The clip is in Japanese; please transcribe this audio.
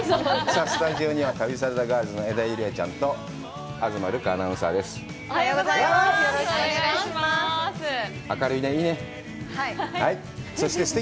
さあ、スタジオには、旅サラダガールズの江田友莉亜ちゃんと東留伽アナウンサーです。